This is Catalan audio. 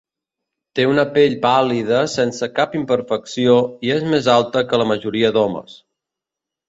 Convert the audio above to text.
Té una pell pàl·lida sense cap imperfecció i és més alta que la majoria d'homes.